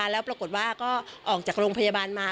แล้วปรากฏว่าก็ออกจากโรงพยาบาลมา